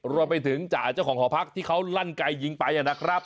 รวมไปถึงจ่าเจ้าของหอพักที่เขาลั่นไก่ยิงไปนะครับ